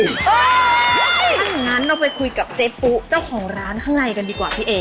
ถ้าอย่างนั้นเราไปคุยกับเจ๊ปุ๊เจ้าของร้านข้างในกันดีกว่าพี่เอ๋